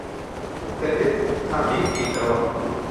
دەبێت تاقی بکەیتەوە.